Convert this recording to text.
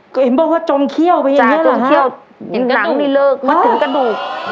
ก็เอ็มบอกว่าจมเข้าไปช่างเที่ยวเหรอฮะแล้วก็ถึงกระดูก